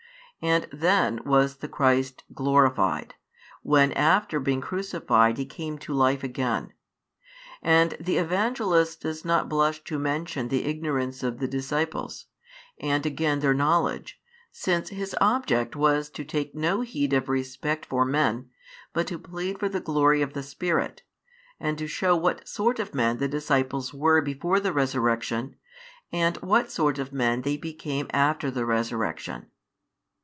And then was the Christ glorified, when after being crucified He came to life again. And the Evangelist does not blush to mention the ignorance of the disciples, and again their knowledge, since his object was, to take no heed of respect for men, but to plead for the glory of the Spirit; and to show what sort of men the disciples were before the Resurrection, and what sort of men they became after the Resurrection.